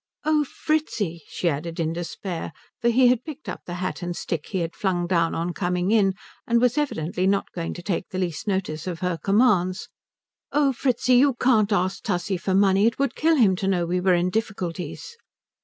Oh Fritzi," she added in despair, for he had picked up the hat and stick he had flung down on coming in and was evidently not going to take the least notice of her commands "oh Fritzi, you can't ask Tussie for money. It would kill him to know we were in difficulties."